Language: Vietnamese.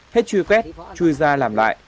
hết truy quét truy ra làm lại